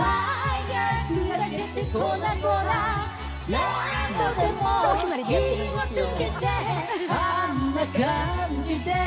「何度でも火をつけてあんな感じで」